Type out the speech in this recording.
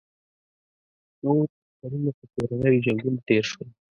نور کلونه په کورنیو جنګونو تېر شول.